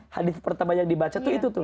hadit pertama yang dibaca tuh itu tuh